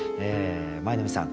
舞の海さん